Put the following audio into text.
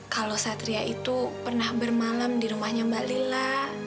kalau satria itu pernah bermalam di rumahnya mbalila